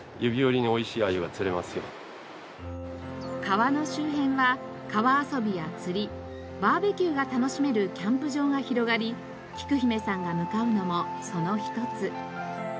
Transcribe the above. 川の周辺は川遊びや釣りバーベキューが楽しめるキャンプ場が広がりきく姫さんが向かうのもその一つ。